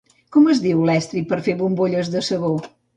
com es diu l'estri per fer bombolles de sabó?